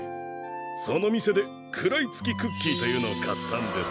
その店で食らいつきクッキーというのを買ったんです。